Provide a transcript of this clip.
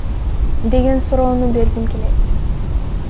деген суроону бергим келет.